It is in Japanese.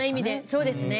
そうですね。